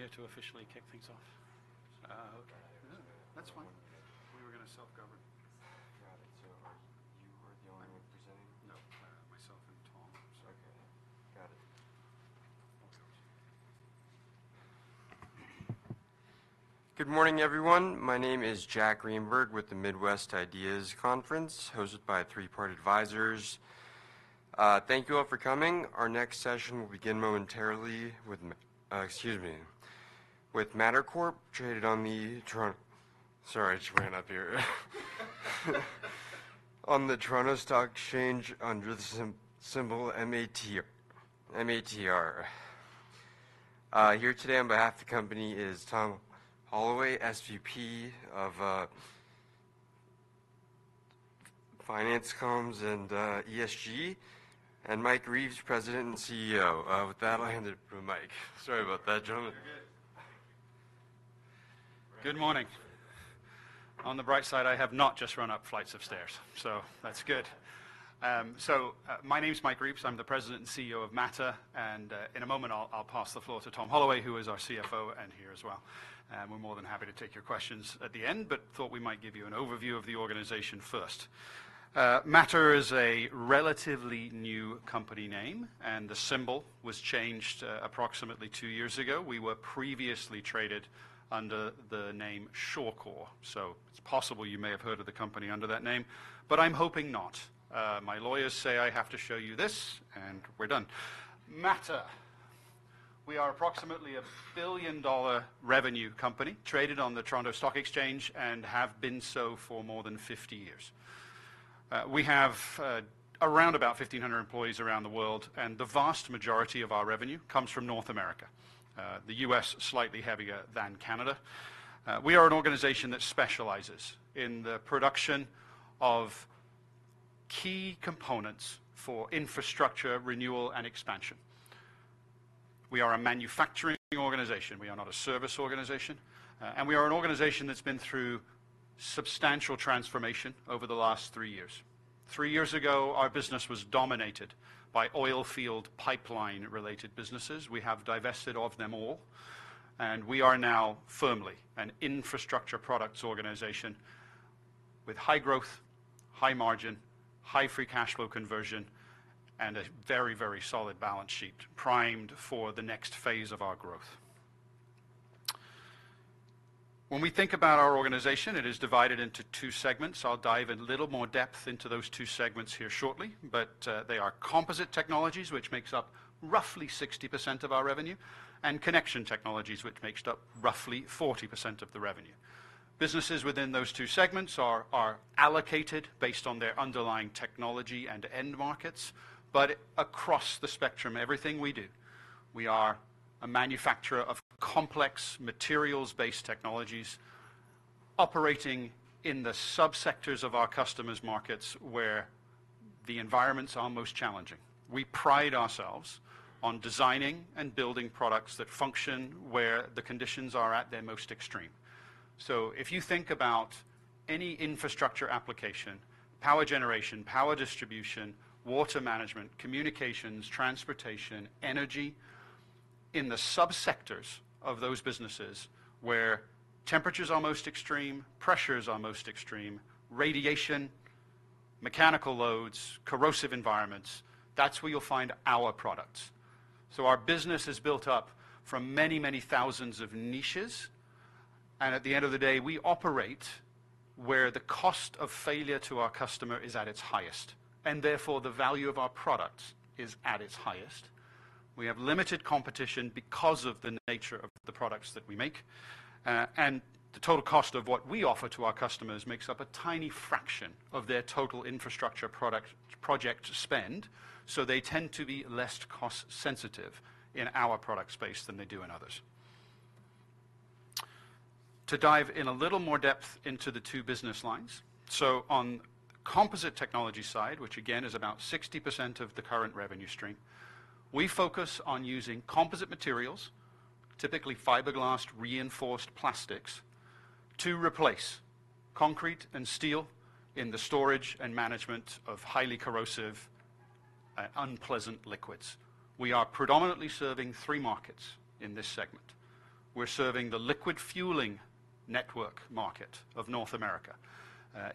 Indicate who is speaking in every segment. Speaker 1: Are you here to officially kick things off? Okay. Yeah, that's fine. We were gonna self-govern.
Speaker 2: Got it. So you are the only one presenting?
Speaker 1: No, myself and Tom.
Speaker 2: Okay, got it. Good morning, everyone. My name is Jack Greenberg with the Midwest Ideas Conference, hosted by Three Part Advisors. Thank you all for coming. Our next session will begin momentarily with Mattr Corp., traded on the Toronto Stock Exchange under the symbol MATR. Here today on behalf of the company is Tom Holloway, SVP of Finance Comms and ESG, and Mike Reeves, President and CEO. With that, I hand it over to Mike. Sorry about that, gentlemen. You're good.
Speaker 1: Good morning. On the bright side, I have not just run up flights of stairs, so that's good. So, my name is Mike Reeves. I'm the President and CEO of Mattr, and, in a moment, I'll pass the floor to Tom Holloway, who is our CFO and here as well. And we're more than happy to take your questions at the end, but thought we might give you an overview of the organization first. Mattr is a relatively new company name, and the symbol was changed, approximately two years ago. We were previously traded under the name Shawcor, so it's possible you may have heard of the company under that name, but I'm hoping not. My lawyers say I have to show you this, and we're done. Mattr. We are approximately a 1 billion dollar revenue company, traded on the Toronto Stock Exchange, and have been so for more than fifty years. We have around about 1,500 employees around the world, and the vast majority of our revenue comes from North America, the U.S. slightly heavier than Canada. We are an organization that specializes in the production of key components for infrastructure, renewal, and expansion. We are a manufacturing organization. We are not a service organization, and we are an organization that's been through substantial transformation over the last three years. Three years ago, our business was dominated by oil field pipeline-related businesses. We have divested of them all, and we are now firmly an infrastructure products organization with high growth, high margin, high free cash flow conversion, and a very, very solid balance sheet primed for the next phase of our growth. When we think about our organization, it is divided into two segments. I'll dive in a little more depth into those two segments here shortly, but they are Composite Technologies, which makes up roughly 60% of our revenue, and Connection Technologies, which makes up roughly 40% of the revenue. Businesses within those two segments are allocated based on their underlying technology and end markets, but across the spectrum, everything we do, we are a manufacturer of complex materials-based technologies operating in the subsectors of our customers' markets where the environments are most challenging. We pride ourselves on designing and building products that function where the conditions are at their most extreme. If you think about any infrastructure application, power generation, power distribution, water management, communications, transportation, energy, in the subsectors of those businesses where temperature is our most extreme, pressure is our most extreme, radiation, mechanical loads, corrosive environments, that's where you'll find our products. So our business is built up from many, many thousands of niches, and at the end of the day, we operate where the cost of failure to our customer is at its highest, and therefore, the value of our products is at its highest. We have limited competition because of the nature of the products that we make, and the total cost of what we offer to our customers makes up a tiny fraction of their total infrastructure product, project spend, so they tend to be less cost-sensitive in our product space than they do in others. To dive in a little more depth into the two business lines. So on the Composite Technologies side, which again is about 60% of the current revenue stream, we focus on using composite materials, typically fiberglass-reinforced plastics, to replace concrete and steel in the storage and management of highly corrosive, unpleasant liquids. We are predominantly serving three markets in this segment. We're serving the liquid fueling network market of North America.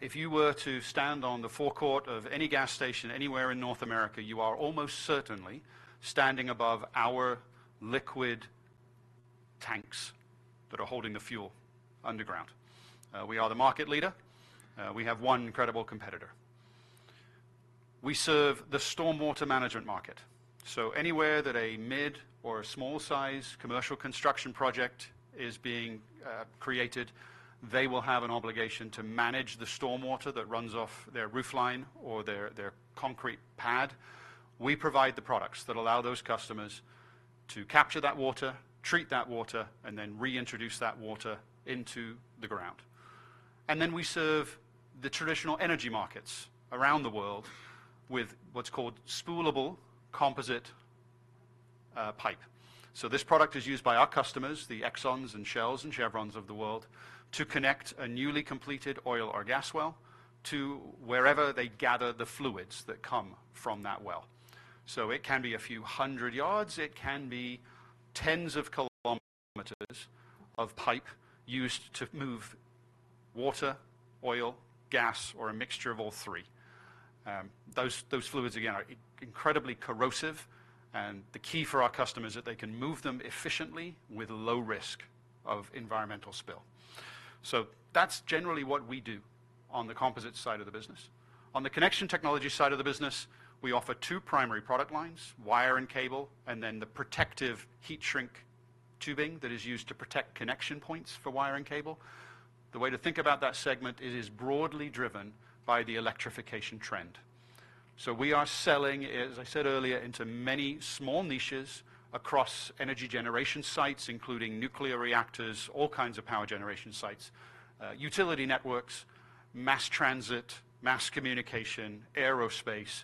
Speaker 1: If you were to stand on the forecourt of any gas station anywhere in North America, you are almost certainly standing above our liquid tanks that are holding the fuel underground. We are the market leader. We have one incredible competitor. We serve the stormwater management market. So anywhere that a mid or a small size commercial construction project is being created, they will have an obligation to manage the stormwater that runs off their roofline or their concrete pad. We provide the products that allow those customers to capture that water, treat that water, and then reintroduce that water into the ground. And then we serve the traditional energy markets around the world with what's called spoolable composite pipe. So this product is used by our customers, the Exxons and Shells and Chevrons of the world, to connect a newly completed oil or gas well to wherever they gather the fluids that come from that well. So it can be a few hundred yards, it can be tens of kilometers of pipe used to move water, oil, gas, or a mixture of all three. Those fluids, again, are incredibly corrosive, and the key for our customers is that they can move them efficiently with low risk of environmental spill, so that's generally what we do on the composites side of the business. On the connection technology side of the business, we offer two primary product lines: wire and cable, and then the protective heat shrink tubing that is used to protect connection points for wire and cable. The way to think about that segment: it is broadly driven by the electrification trend, so we are selling, as I said earlier, into many small niches across energy generation sites, including nuclear reactors, all kinds of power generation sites, utility networks, mass transit, mass communication, aerospace,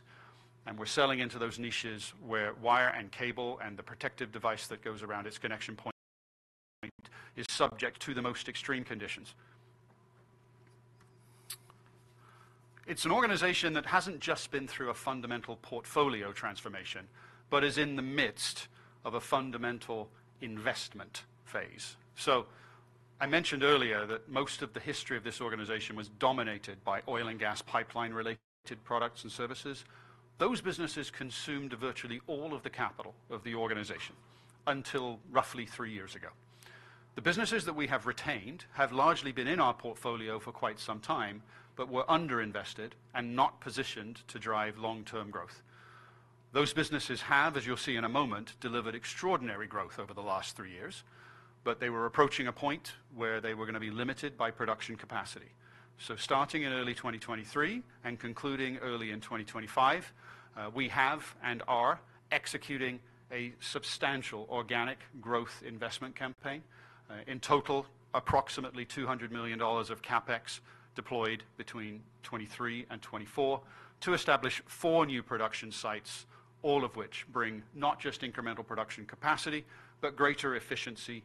Speaker 1: and we're selling into those niches where wire and cable and the protective device that goes around its connection point is subject to the most extreme conditions. It's an organization that hasn't just been through a fundamental portfolio transformation, but is in the midst of a fundamental investment phase. So I mentioned earlier that most of the history of this organization was dominated by oil and gas pipeline-related products and services. Those businesses consumed virtually all of the capital of the organization until roughly three years ago. The businesses that we have retained have largely been in our portfolio for quite some time, but were underinvested and not positioned to drive long-term growth. Those businesses have, as you'll see in a moment, delivered extraordinary growth over the last three years, but they were approaching a point where they were gonna be limited by production capacity. So starting in early 2023 and concluding early in 2025, we have and are executing a substantial organic growth investment campaign. In total, approximately 200 million dollars of CapEx deployed between 2023 and 2024 to establish four new production sites, all of which bring not just incremental production capacity, but greater efficiency,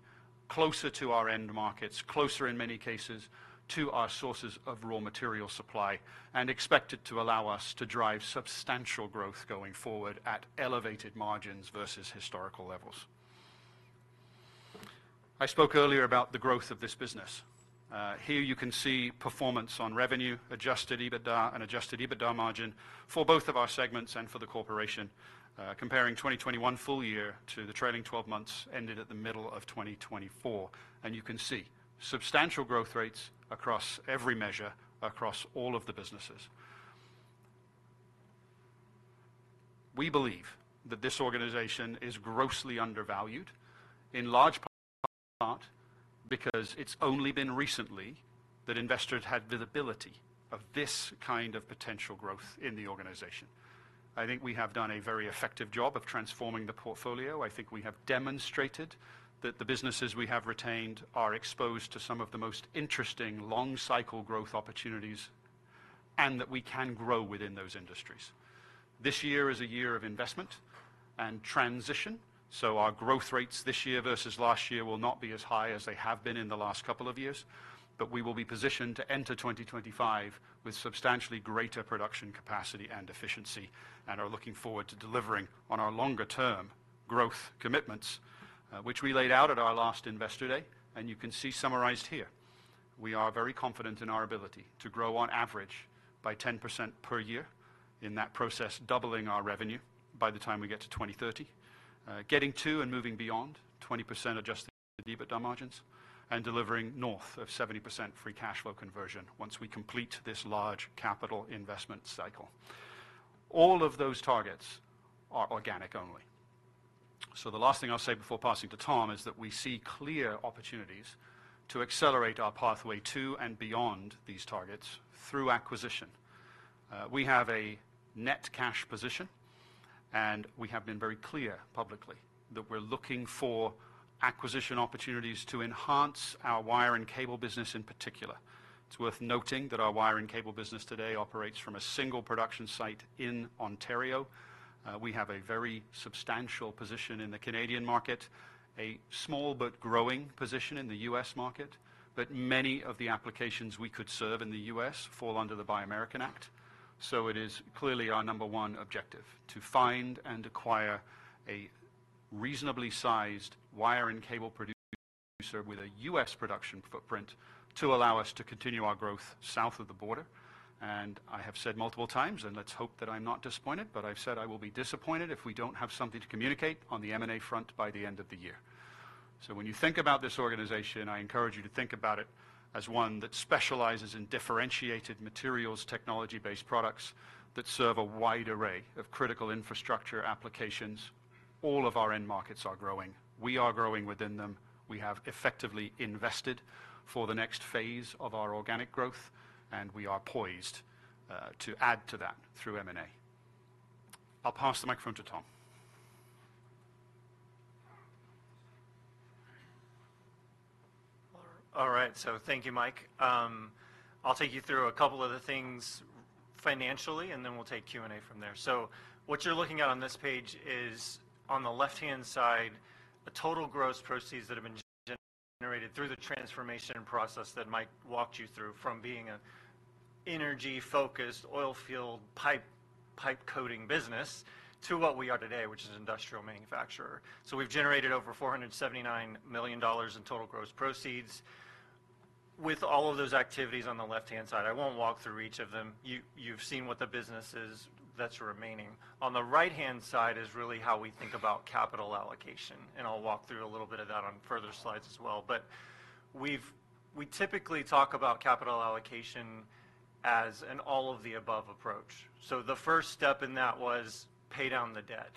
Speaker 1: closer to our end markets, closer in many cases, to our sources of raw material supply, and expected to allow us to drive substantial growth going forward at elevated margins versus historical levels. I spoke earlier about the growth of this business. Here you can see performance on revenue, adjusted EBITDA and adjusted EBITDA margin for both of our segments and for the corporation, comparing 2021 full year to the trailing twelve months ended at the middle of 2024. You can see substantial growth rates across every measure, across all of the businesses. We believe that this organization is grossly undervalued, in large part, because it's only been recently that investors had visibility of this kind of potential growth in the organization. I think we have done a very effective job of transforming the portfolio. I think we have demonstrated that the businesses we have retained are exposed to some of the most interesting long-cycle growth opportunities and that we can grow within those industries. This year is a year of investment and transition, so our growth rates this year versus last year will not be as high as they have been in the last couple of years, but we will be positioned to enter twenty twenty-five with substantially greater production capacity and efficiency and are looking forward to delivering on our longer term growth commitments, which we laid out at our last Investor Day, and you can see summarized here. We are very confident in our ability to grow on average by 10% per year. In that process, doubling our revenue by the time we get to 2030, getting to and moving beyond 20% adjusted EBITDA margins and delivering north of 70% free cash flow conversion once we complete this large capital investment cycle. All of those targets are organic only. So the last thing I'll say before passing to Tom is that we see clear opportunities to accelerate our pathway to and beyond these targets through acquisition. We have a net cash position, and we have been very clear publicly that we're looking for acquisition opportunities to enhance our wire and cable business in particular. It's worth noting that our wire and cable business today operates from a single production site in Ontario. We have a very substantial position in the Canadian market, a small but growing position in the U.S. market, but many of the applications we could serve in the U.S. fall under the Buy American Act. So it is clearly our number one objective to find and acquire a reasonably sized wire and cable producer with a U.S. production footprint to allow us to continue our growth south of the border, and I have said multiple times, and let's hope that I'm not disappointed, but I've said I will be disappointed if we don't have something to communicate on the M&A front by the end of the year, so when you think about this organization, I encourage you to think about it as one that specializes in differentiated materials, technology-based products that serve a wide array of critical infrastructure applications. All of our end markets are growing. We are growing within them. We have effectively invested for the next phase of our organic growth, and we are poised to add to that through M&A. I'll pass the microphone to Tom.
Speaker 3: All right, so thank you, Mike. I'll take you through a couple of the things financially, and then we'll take Q&A from there. So what you're looking at on this page is, on the left-hand side, the total gross proceeds that have been generated through the transformation process that Mike walked you through from being energy-focused oil field pipe, pipe coating business to what we are today, which is an industrial manufacturer. So we've generated over 479 million dollars in total gross proceeds. With all of those activities on the left-hand side, I won't walk through each of them. You, you've seen what the business is that's remaining. On the right-hand side is really how we think about capital allocation, and I'll walk through a little bit of that on further slides as well. But we typically talk about capital allocation as an all-of-the-above approach. So the first step in that was pay down the debt.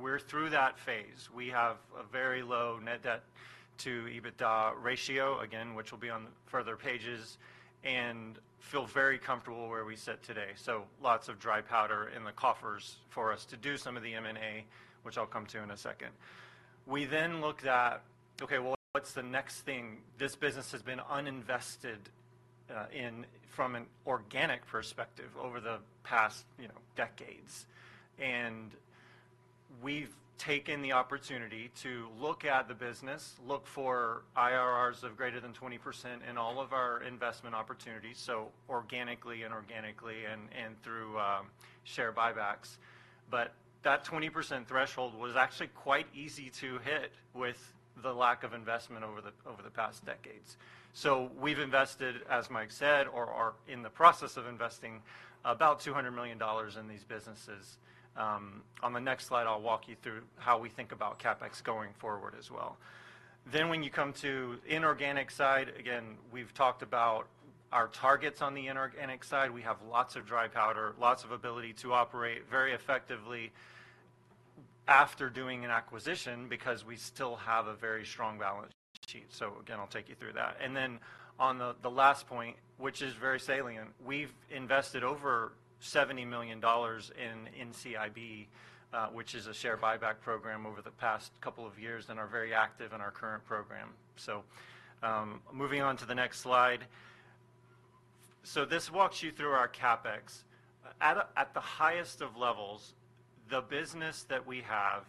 Speaker 3: We're through that phase. We have a very low net debt to EBITDA ratio, again, which will be on further pages, and feel very comfortable where we sit today. So lots of dry powder in the coffers for us to do some of the M&A, which I'll come to in a second. We then looked at, okay, well, what's the next thing? This business has been uninvested in from an organic perspective over the past, you know, decades. And we've taken the opportunity to look at the business, look for IRRs of greater than 20% in all of our investment opportunities, so organically and through share buybacks. But that 20% threshold was actually quite easy to hit with the lack of investment over the past decades. So we've invested, as Mike said, or are in the process of investing about 200 million dollars in these businesses. On the next slide, I'll walk you through how we think about CapEx going forward as well. Then when you come to inorganic side, again, we've talked about our targets on the inorganic side. We have lots of dry powder, lots of ability to operate very effectively after doing an acquisition because we still have a very strong balance sheet. So again, I'll take you through that. And then on the last point, which is very salient, we've invested over 70 million dollars in NCIB, which is a share buyback program, over the past couple of years and are very active in our current program. So, moving on to the next slide. So this walks you through our CapEx. At the highest of levels, the business that we have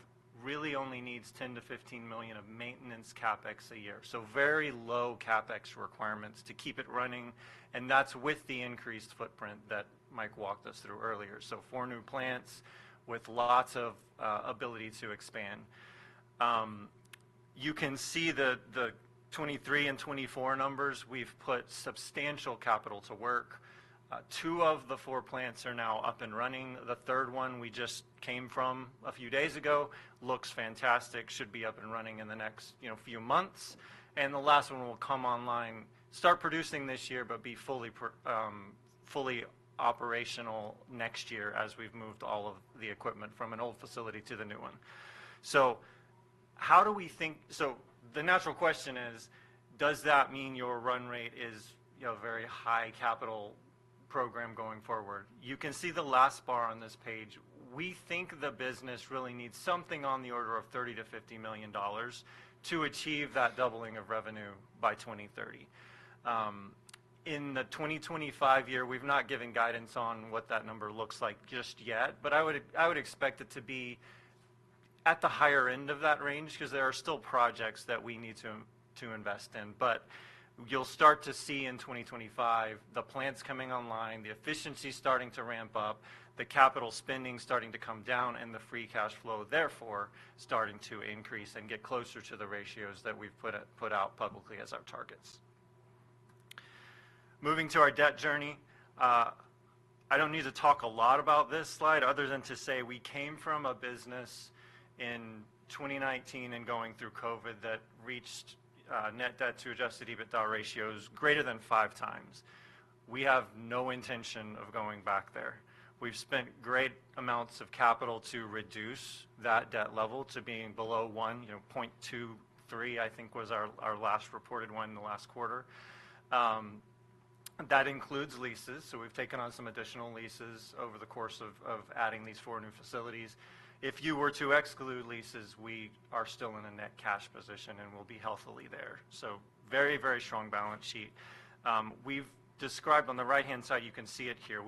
Speaker 3: really only needs 10 million to 15 million of maintenance CapEx a year. So very low CapEx requirements to keep it running, and that's with the increased footprint that Mike walked us through earlier. So four new plants with lots of ability to expand. You can see the 2023 and 2024 numbers. We've put substantial capital to work. Two of the four plants are now up and running. The third one we just came from a few days ago, looks fantastic, should be up and running in the next, you know, few months. The last one will come online, start producing this year, but be fully operational next year as we've moved all of the equipment from an old facility to the new one. The natural question is, does that mean your run rate is, you know, very high capital program going forward? You can see the last bar on this page. We think the business really needs something on the order of 30-50 million dollars to achieve that doubling of revenue by 2030. In the 2025 year, we've not given guidance on what that number looks like just yet, but I would expect it to be at the higher end of that range because there are still projects that we need to invest in. But you'll start to see in 2025, the plants coming online, the efficiency starting to ramp up, the capital spending starting to come down, and the free cash flow therefore starting to increase and get closer to the ratios that we've put out publicly as our targets. Moving to our debt journey, I don't need to talk a lot about this slide other than to say we came from a business in 2019 and going through COVID that reached net debt to adjusted EBITDA ratios greater than five times. We have no intention of going back there. We've spent great amounts of capital to reduce that debt level to being below one. You know, point two three, I think, was our last reported one in the last quarter. That includes leases, so we've taken on some additional leases over the course of adding these four new facilities. If you were to exclude leases, we are still in a net cash position and will be healthily there, so very, very strong balance sheet. We've described on the right-hand side, you can see it here,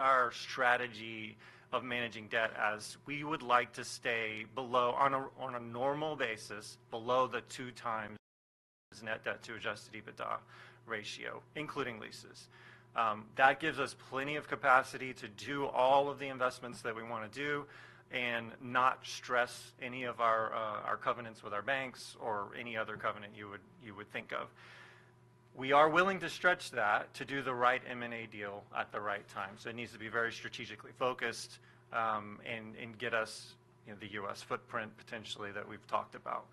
Speaker 3: our strategy of managing debt as we would like to stay below, on a normal basis, below the two times net debt to adjusted EBITDA ratio, including leases. That gives us plenty of capacity to do all of the investments that we wanna do and not stress any of our covenants with our banks or any other covenant you would think of. We are willing to stretch that to do the right M&A deal at the right time. So it needs to be very strategically focused, and get us, you know, the U.S. footprint potentially, that we've talked about.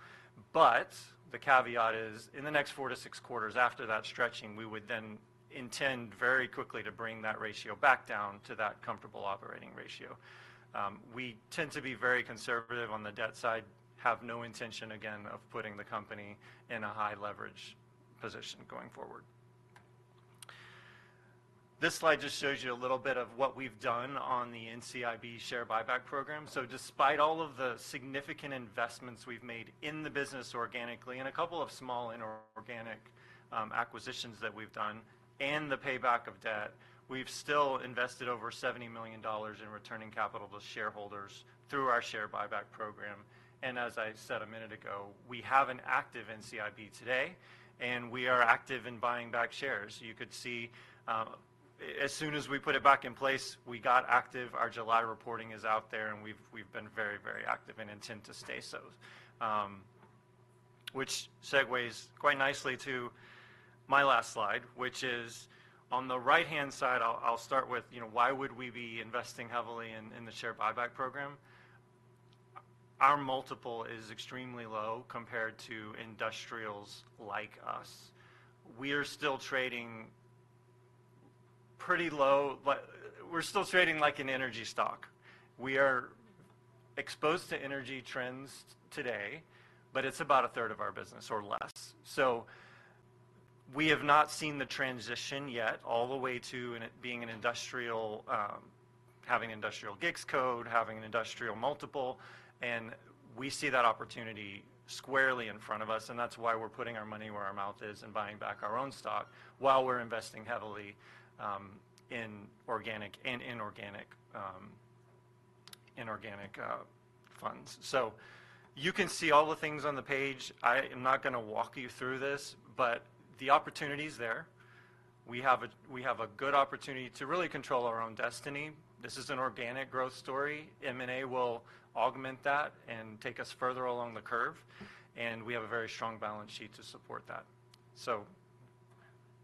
Speaker 3: But the caveat is, in the next four to six quarters after that stretching, we would then intend very quickly to bring that ratio back down to that comfortable operating ratio. We tend to be very conservative on the debt side, have no intention, again, of putting the company in a high leverage position going forward. This slide just shows you a little bit of what we've done on the NCIB share buyback program. So despite all of the significant investments we've made in the business organically, and a couple of small inorganic acquisitions that we've done, and the payback of debt, we've still invested over 70 million dollars in returning capital to shareholders through our share buyback program. And as I said a minute ago, we have an active NCIB today. We are active in buying back shares. You could see, as soon as we put it back in place, we got active. Our July reporting is out there, and we've been very, very active and intend to stay so. Which segues quite nicely to my last slide, which is on the right-hand side. I'll start with, you know, why would we be investing heavily in the share buyback program? Our multiple is extremely low compared to industrials like us. We're still trading pretty low, but we're still trading like an energy stock. We are exposed to energy trends today, but it's about a third of our business or less. So we have not seen the transition yet all the way to, and it being an industrial, having industrial GICS code, having an industrial multiple, and we see that opportunity squarely in front of us, and that's why we're putting our money where our mouth is and buying back our own stock while we're investing heavily in organic and inorganic funds. So you can see all the things on the page. I am not gonna walk you through this, but the opportunity's there. We have a good opportunity to really control our own destiny. This is an organic growth story. M&A will augment that and take us further along the curve, and we have a very strong balance sheet to support that. So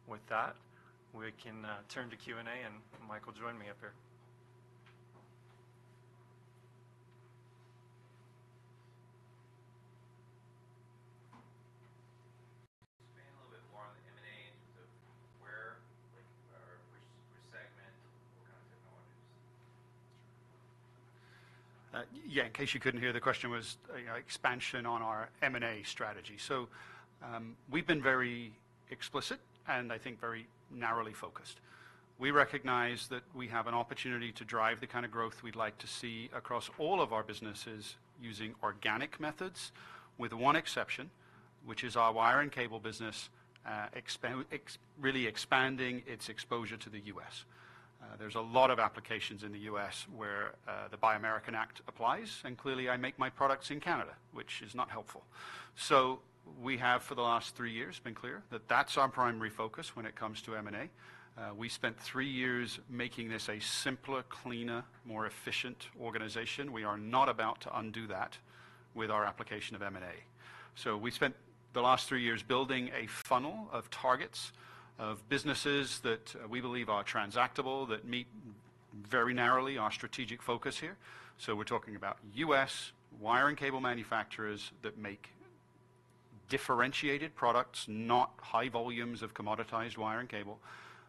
Speaker 3: with that, we can turn to Q&A, and Mike will join me up here. ... Expand a little bit more on the M&A in terms of where, like, which segment, what kind of technologies?
Speaker 1: Yeah, in case you couldn't hear, the question was, you know, expansion on our M&A strategy, so we've been very explicit and I think very narrowly focused. We recognize that we have an opportunity to drive the kind of growth we'd like to see across all of our businesses using organic methods, with one exception, which is our wire and cable business, really expanding its exposure to the U.S. There's a lot of applications in the U.S. where the Buy American Act applies, and clearly, I make my products in Canada, which is not helpful, so we have, for the last three years, been clear that that's our primary focus when it comes to M&A. We spent three years making this a simpler, cleaner, more efficient organization. We are not about to undo that with our application of M&A. So we spent the last three years building a funnel of targets, of businesses that, we believe are transactable, that meet very narrowly our strategic focus here. So we're talking about U.S. wire and cable manufacturers that make differentiated products, not high volumes of commoditized wire and cable,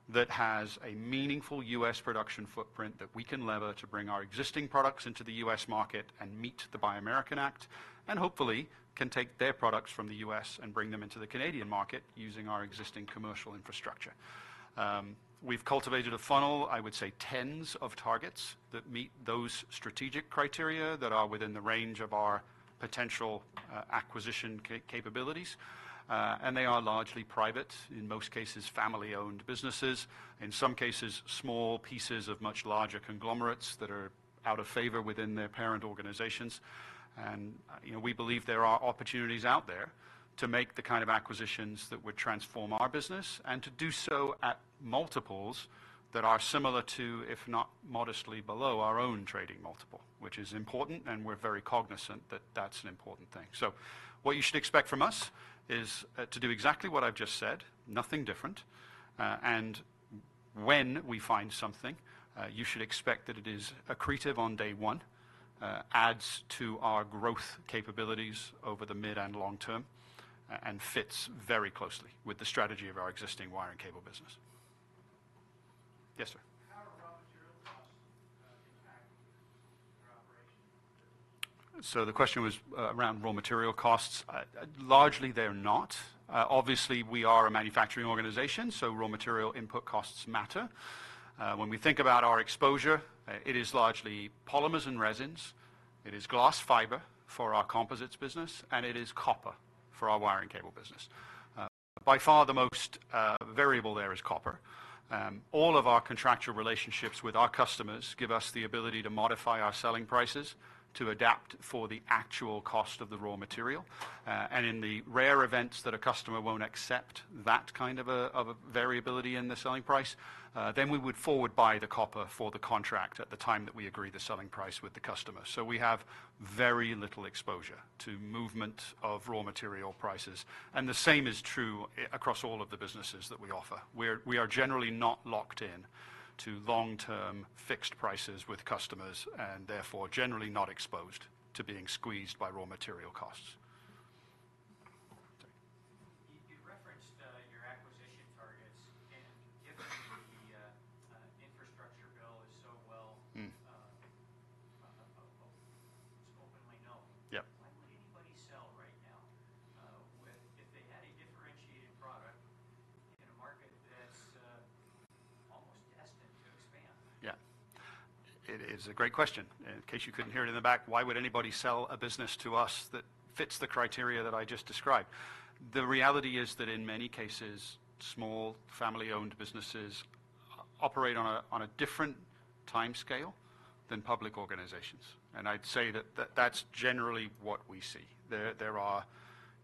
Speaker 1: that has a meaningful U.S. production footprint that we can lever to bring our existing products into the U.S. market and meet the Buy American Act, and hopefully, can take their products from the U.S. and bring them into the Canadian market using our existing commercial infrastructure. We've cultivated a funnel, I would say tens of targets, that meet those strategic criteria that are within the range of our potential, acquisition capabilities. And they are largely private, in most cases, family-owned businesses. In some cases, small pieces of much larger conglomerates that are out of favor within their parent organizations. And, you know, we believe there are opportunities out there to make the kind of acquisitions that would transform our business, and to do so at multiples that are similar to, if not modestly below, our own trading multiple, which is important, and we're very cognizant that that's an important thing. So what you should expect from us is to do exactly what I've just said, nothing different. And when we find something, you should expect that it is accretive on day one, adds to our growth capabilities over the mid and long term, and fits very closely with the strategy of our existing wire and cable business. Yes, sir? How are raw material costs impacting your operations? So the question was around raw material costs. Largely, they're not. Obviously, we are a manufacturing organization, so raw material input costs matter. When we think about our exposure, it is largely polymers and resins, it is glass fiber for our composites business, and it is copper for our wire and cable business. By far, the most variable there is copper. All of our contractual relationships with our customers give us the ability to modify our selling prices to adapt for the actual cost of the raw material. And in the rare events that a customer won't accept that kind of a variability in the selling price, then we would forward buy the copper for the contract at the time that we agree the selling price with the customer. So we have very little exposure to movement of raw material prices, and the same is true across all of the businesses that we offer. We are generally not locked in to long-term fixed prices with customers, and therefore, generally not exposed to being squeezed by raw material costs. Dave? You referenced your acquisition targets, and given the infrastructure bill is so well- Mm... openly known. Yeah. Why would anybody sell right now, when if they had a differentiated product in a market that's almost destined to expand? Yeah. It is a great question. In case you couldn't hear it in the back: Why would anybody sell a business to us that fits the criteria that I just described? The reality is that in many cases, small, family-owned businesses operate on a different time scale than public organizations, and I'd say that's generally what we see. There are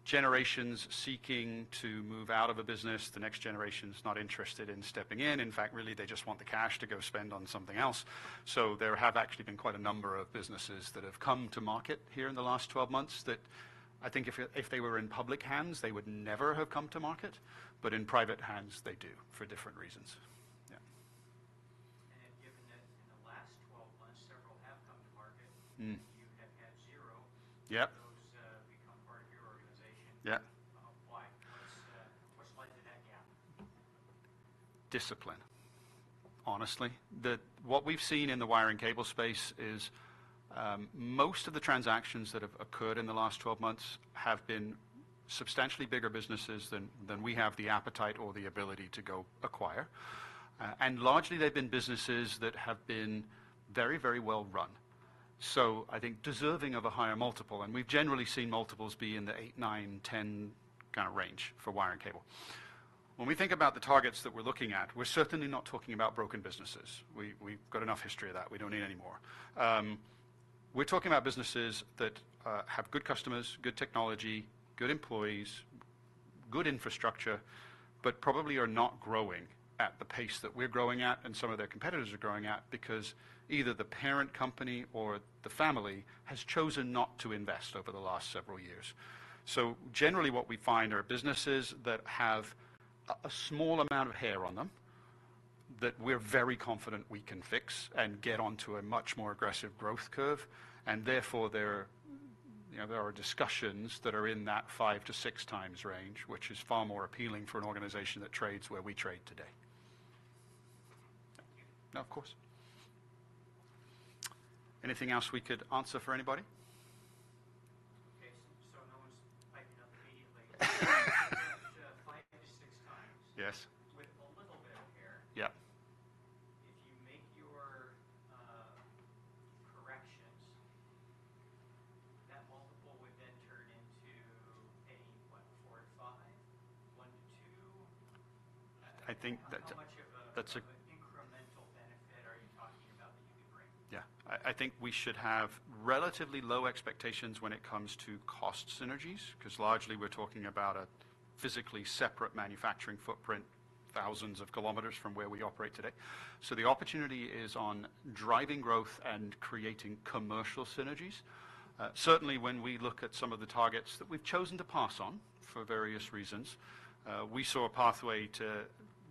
Speaker 1: generations seeking to move out of a business. The next generation's not interested in stepping in. In fact, really, they just want the cash to go spend on something else, so there have actually been quite a number of businesses that have come to market here in the last 12 months that I think if they were in public hands, they would never have come to market, but in private hands they do, for different reasons. Yeah. Given that in the last 12 months, several have come to market- Mm. You have had zero. Yep. Those become part of your organization. Yeah. Why? What's led to that gap? Discipline. Honestly, what we've seen in the wire and cable space is most of the transactions that have occurred in the last twelve months have been substantially bigger businesses than we have the appetite or the ability to go acquire. And largely, they've been businesses that have been very, very well run, so I think deserving of a higher multiple, and we've generally seen multiples be in the eight, nine, ten kinda range for wire and cable. When we think about the targets that we're looking at, we're certainly not talking about broken businesses. We've got enough history of that. We don't need any more. We're talking about businesses that have good customers, good technology, good employees, good infrastructure, but probably are not growing at the pace that we're growing at and some of their competitors are growing at because either the parent company or the family has chosen not to invest over the last several years, so generally what we find are businesses that have a small amount of hair on them, that we're very confident we can fix and get onto a much more aggressive growth curve, and therefore, there, you know, there are discussions that are in that five-to-six times range, which is far more appealing for an organization that trades where we trade today. Thank you. No, of course. Anything else we could answer for anybody? Okay, so no one's piping up immediately. Five to six times- Yes. with a little bit of hair. Yeah. If you make your corrections, that multiple would then turn into a what? Four to five, one to two. I think that- How much of a- That's a- Incremental benefit are you talking about that you can bring? Yeah. I think we should have relatively low expectations when it comes to cost synergies, 'cause largely we're talking about a physically separate manufacturing footprint, thousands of kilometers from where we operate today. So the opportunity is on driving growth and creating commercial synergies. Certainly, when we look at some of the targets that we've chosen to pass on for various reasons, we saw a pathway to,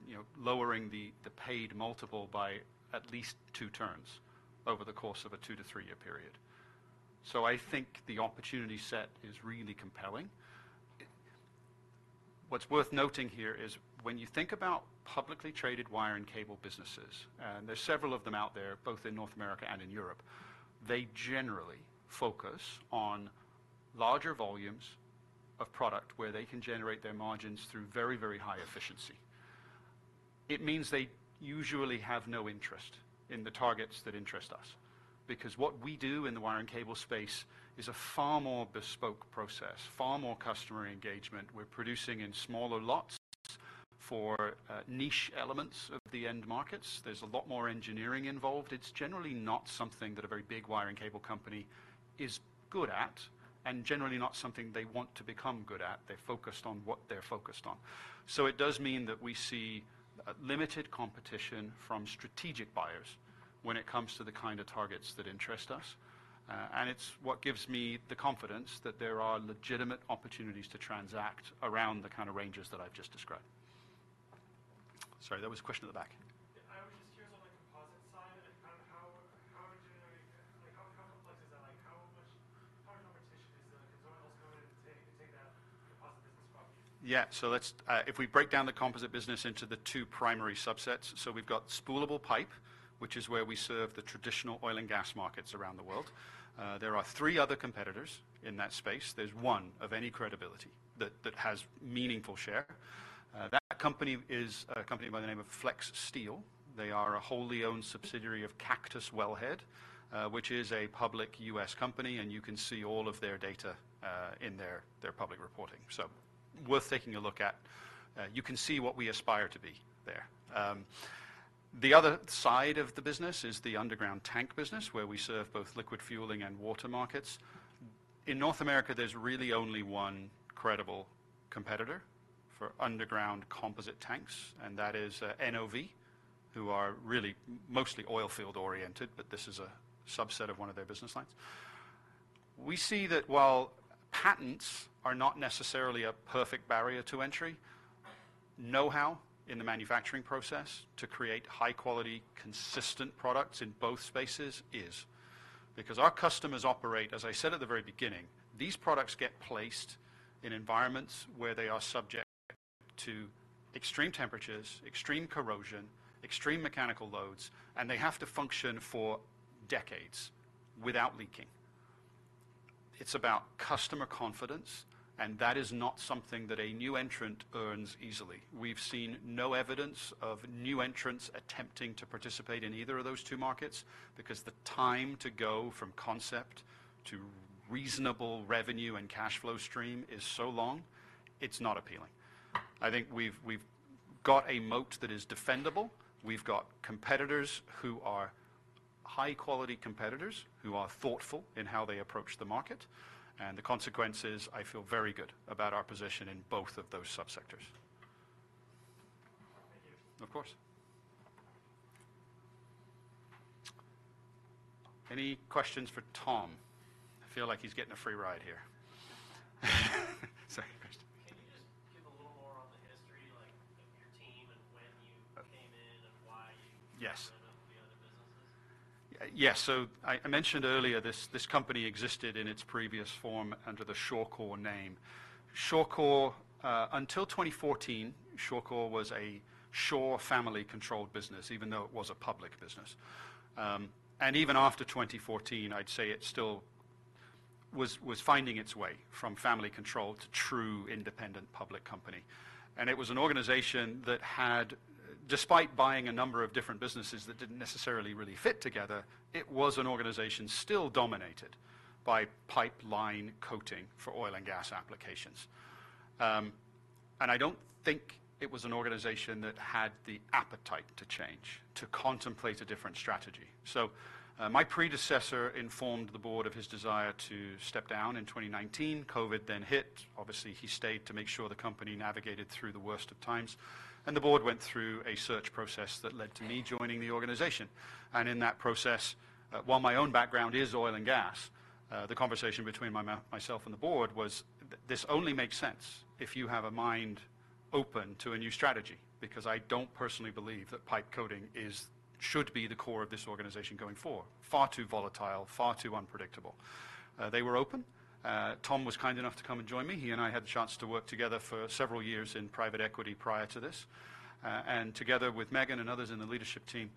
Speaker 1: you know, lowering the paid multiple by at least two turns over the course of a two- to three-year period. So I think the opportunity set is really compelling. What's worth noting here is when you think about publicly traded wire and cable businesses, and there's several of them out there, both in North America and in Europe, they generally focus on larger volumes of product where they can generate their margins through very, very high efficiency. It means they usually have no interest in the targets that interest us, because what we do in the wire and cable space is a far more bespoke process, far more customer engagement. We're producing in smaller lots for niche elements of the end markets. There's a lot more engineering involved. It's generally not something that a very big wire and cable company is good at, and generally not something they want to become good at. They're focused on what they're focused on. So it does mean that we see limited competition from strategic buyers when it comes to the kind of targets that interest us, and it's what gives me the confidence that there are legitimate opportunities to transact around the kind of ranges that I've just described. Sorry, there was a question at the back. Yeah, I was just curious on the composite side and kind of how would you know... Like, how complex is that? Like, how much competition is there? Because no one else come in to take that composite business from you. Yeah. So let's, if we break down the composite business into the two primary subsets, so we've got spoolable pipe, which is where we serve the traditional oil and gas markets around the world. There are three other competitors in that space. There's one of any credibility that has meaningful share. That company is a company by the name of FlexSteel. They are a wholly owned subsidiary of Cactus, which is a public U.S. company, and you can see all of their data in their public reporting. So worth taking a look at. You can see what we aspire to be there. The other side of the business is the underground tank business, where we serve both liquid fueling and water markets. In North America, there's really only one credible competitor for underground composite tanks, and that is, NOV, who are really mostly oil field oriented, but this is a subset of one of their business lines. We see that while patents are not necessarily a perfect barrier to entry, know-how in the manufacturing process to create high-quality, consistent products in both spaces is. Because our customers operate, as I said at the very beginning, these products get placed in environments where they are subject to extreme temperatures, extreme corrosion, extreme mechanical loads, and they have to function for decades without leaking. It's about customer confidence, and that is not something that a new entrant earns easily. We've seen no evidence of new entrants attempting to participate in either of those two markets, because the time to go from concept to reasonable revenue and cash flow stream is so long, it's not appealing. I think we've got a moat that is defendable. We've got high-quality competitors who are thoughtful in how they approach the market, and the consequence is I feel very good about our position in both of those subsectors. Thank you. Of course. Any questions for Tom? I feel like he's getting a free ride here. Second question. Can you just give a little more on the history, like, of your team and when you- Okay came in, and why you Yes
Speaker 3: Got rid of the other businesses?
Speaker 1: Yes. So I mentioned earlier this company existed in its previous form under the Shawcor name. Shawcor, until twenty fourteen, Shawcor was a Shaw family-controlled business, even though it was a public business. And even after twenty fourteen, I'd say it still was finding its way from family-controlled to true independent public company. And it was an organization that had despite buying a number of different businesses that didn't necessarily really fit together, it was an organization still dominated by pipeline coating for oil and gas applications. And I don't think it was an organization that had the appetite to change, to contemplate a different strategy. So my predecessor informed the board of his desire to step down in twenty nineteen. COVID then hit. Obviously, he stayed to make sure the company navigated through the worst of times, and the board went through a search process that led to me joining the organization. And in that process, while my own background is oil and gas, the conversation between myself and the board was this only makes sense if you have a mind open to a new strategy, because I don't personally believe that pipe coating is should be the core of this organization going forward. Far too volatile, far too unpredictable. They were open. Tom was kind enough to come and join me. He and I had the chance to work together for several years in private equity prior to this, and together with Meghan and others in the leadership team,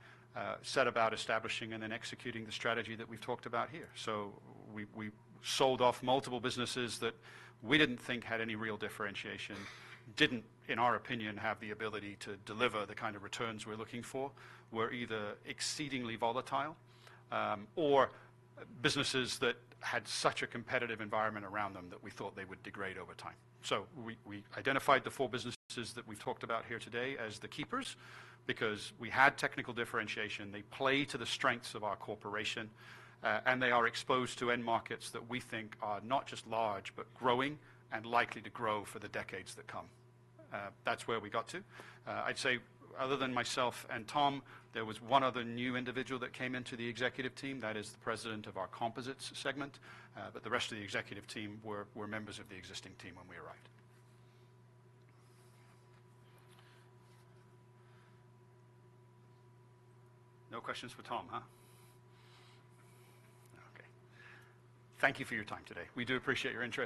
Speaker 1: set about establishing and then executing the strategy that we've talked about here. So we sold off multiple businesses that we didn't think had any real differentiation, didn't, in our opinion, have the ability to deliver the kind of returns we're looking for, were either exceedingly volatile, or businesses that had such a competitive environment around them that we thought they would degrade over time. So we identified the four businesses that we've talked about here today as the keepers, because we had technical differentiation. They play to the strengths of our corporation, and they are exposed to end markets that we think are not just large, but growing and likely to grow for the decades that come. That's where we got to. I'd say other than myself and Tom, there was one other new individual that came into the executive team. That is the president of our composites segment, but the rest of the executive team were members of the existing team when we arrived. No questions for Tom, huh? Okay. Thank you for your time today. We do appreciate your interest.